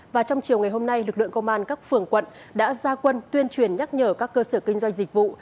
và trong chiều ngày hôm nay lực lượng công an các phường quận đã ra quân tuyên truyền nhắc nhở các cơ sở kinh doanh dịch vụ